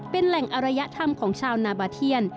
เป็นแหล่งอรยธรรมของชาวนาบาเทียน